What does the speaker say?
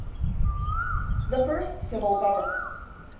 The First Civil Governor.